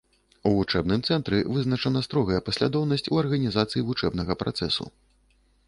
У вучэбным цэнтры вызначана строгая паслядоўнасць у арганізацыі вучэбнага працэсу.